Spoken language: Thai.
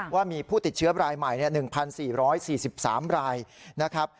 ว่ามีผู้ติดเชื้อรายใหม่๑๔๔๓รายนะครับ